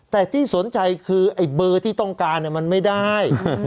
แต่ที่สนใจคือไอ้เบอร์ที่ต้องการมันไม่ได้